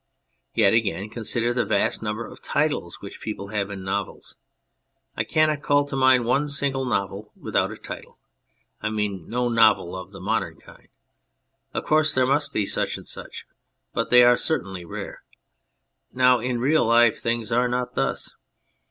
Yet again, consider the vast number of titles which people have in novels. I cannot call to mind one single novel without a title I mean no novel of the modern kind. Of course there must be such, but they are certainly rare. Now in real life things are not thus.